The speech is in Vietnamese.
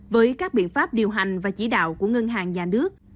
với các biện pháp điều hành và chỉ đạo của ngân hàng nhà nước